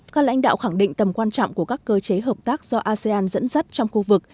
các lãnh đạo khẳng định tầm quan trọng của các cơ chế hợp tác do asean dẫn dắt trong khu vực